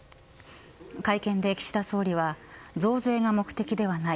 会見で岸田総理は増税が目的ではない。